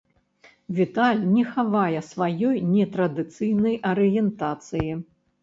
Віталь не хавае сваёй нетрадыцыйнай арыентацыі.